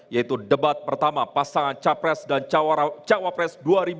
yaitu debat pertama pasangan capres dan cawapres dua ribu dua puluh